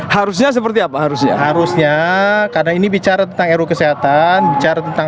harusnya seperti apa harusnya harusnya karena ini bicara tentang ruu kesehatan bicara tentang